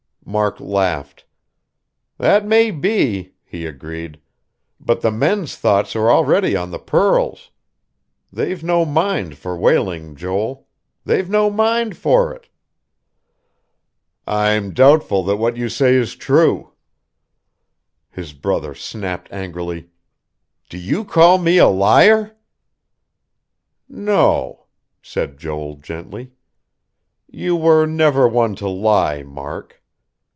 Mark laughed. "That may be," he agreed. "But the men's thoughts are already on the pearls. They've no mind for whaling, Joel. They've no mind for it." "I'm doubtful that what you say is true." His brother snapped angrily: "Do you call me liar?" "No," said Joel gently. "You were never one to lie, Mark."